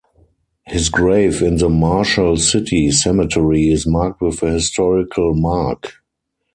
His grave in the Marshall City Cemetery is marked with a historical mark.